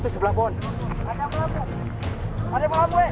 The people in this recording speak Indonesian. sebelah pon itu sebelah pon